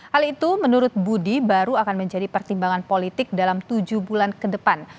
hal itu menurut budi baru akan menjadi pertimbangan politik dalam tujuh bulan ke depan